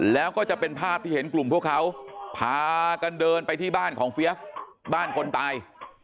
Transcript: แล้วก็จะเป็นภาพที่เห็นกลุ่มพวกเขาพากันเดินไปที่บ้านของเฟียสบ้านคนตาย